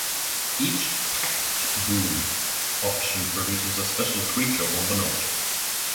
Each Pact Boon option produces a special creature or an object.